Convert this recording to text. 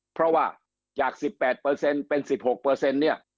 เพราะว่าจาก๑๘เป็น๑๖เนี่ย